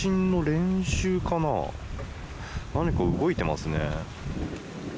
何か動いてますね。